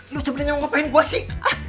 lu sebenarnya ngapain gue sih